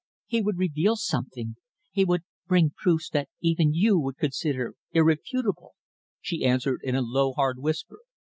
"He would reveal something he would bring proofs that even you would consider irrefutable," she answered in a low, hard whisper.